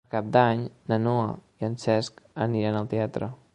Per Cap d'Any na Noa i en Cesc aniran al teatre.